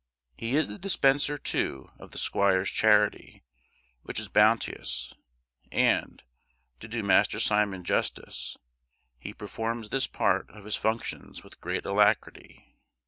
He is the dispenser, too, of the squire's charity, which is bounteous; and, to do Master Simon justice, he performs this part of his functions with great alacrity.